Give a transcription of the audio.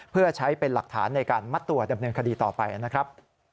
เพื่อใช้เป็นหลักฐานในการมัดตัวดำเนินคดีต่อไปนะครับ